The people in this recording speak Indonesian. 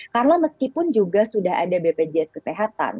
karena meskipun juga sudah ada bpjs kesehatan